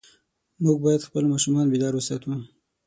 موږ باید خپل ماشومان بیدار وساتو.